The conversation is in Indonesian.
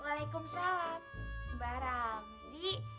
waalaikumsalam mbak ramzi